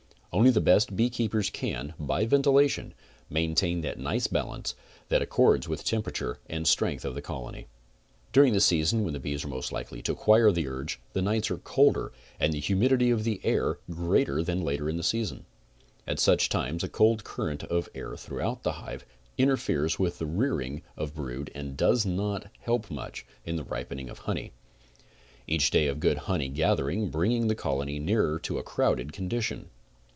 Only the best beekeepers can, by ventilation, maintain that nice balance that accords with temperature and strength of the colony. During the season when the bees are most likely to acquire the urge the nights are colder and the humidity of the air greater than later in the season. At such times a cold current of air throught the hive interferes with the rearing of brood and does not help much in the ripening of honey. Each day of good honey gathering bringing the colony nearer to a crowded condition.